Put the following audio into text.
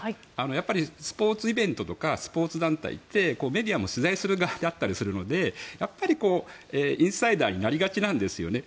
やっぱりスポーツイベントとかスポーツ団体ってメディアも取材する側だったりするのでやっぱりインサイダーになりがちなんですね。